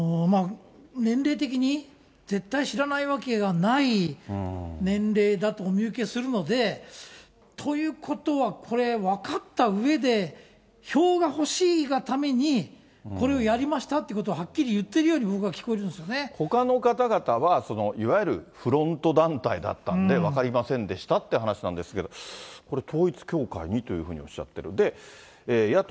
年齢的に絶対知らないわけがない年齢だとお見受けするので、ということは、これ、分かったうえで、票が欲しいがために、これをやりましたということをはっきり言ってるように僕は聞こえほかの方々は、いわゆるフロント団体だったんで分かりませんでしたって話なんですけど、これ、統一教会にというふうにおっしゃってる。